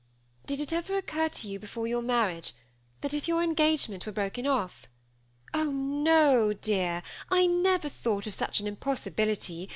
" Did it ever occur to you before your marriage, that if your engagement were broken off" ^ Oh, no, dear, I never thought of such an impossi bility.